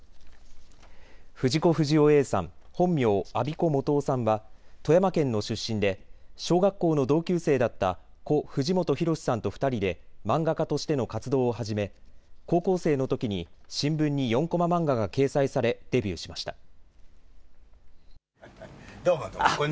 藤子不二雄Ａさん、本名、安孫子素雄さんは富山県の出身で小学校の同級生だった故・藤本弘さんと２人で漫画家としての活動を始め、高校生のときに新聞に４コマ漫画が掲載されデビューしました。